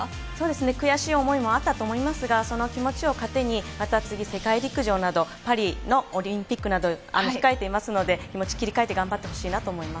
悔しい思いもあったと思いますが、その気持ちを糧に、また次、世界陸上など、パリのオリンピックなど控えていますので、気持ちを切り替えて頑張ってほしいなと思います。